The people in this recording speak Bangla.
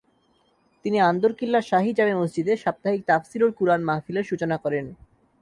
তিনি আন্দরকিল্লা শাহী জামে মসজিদে সাপ্তাহিক তাফসীরুল কুরআন মাহফিলের সূচনা করেন।